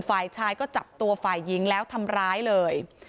ฝ่ายชายก็จับตัวฝ่ายหญิงแล้วทำร้ายเลย